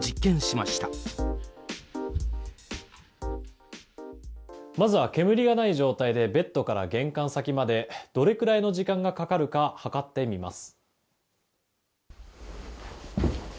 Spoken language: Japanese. まずは煙がない状態でベッドから玄関先までどれくらいの時間がかかるか計ってみます。